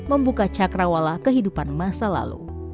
membuka cakrawala kehidupan masa lalu